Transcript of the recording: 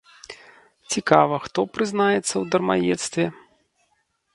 Цікава, хто прызнаецца ў дармаедстве?